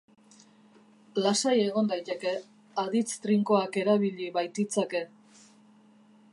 Lasai egon daiteke, aditz trinkoak erabili baititzake.